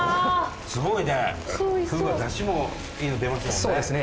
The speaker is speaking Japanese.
すごいねフグは出汁もいいの出ますもんね・